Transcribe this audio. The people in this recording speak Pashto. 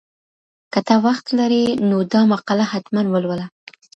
که ته وخت لرې نو دا مقاله حتماً ولوله.